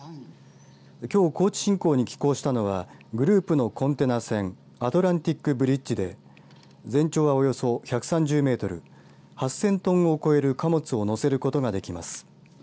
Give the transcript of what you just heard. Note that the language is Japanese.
きょう高知新港に寄港したのはグループのコンテナ船アトランティックブリッジ号で全長は、およそ１３０メートル８０００トンを超える貨物を載せることができます。